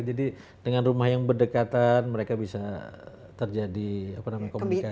jadi dengan rumah yang berdekatan mereka bisa terjadi komunikasi